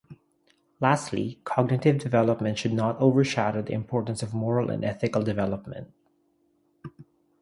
Lastly, cognitive development should not overshadow the importance of moral and ethical development.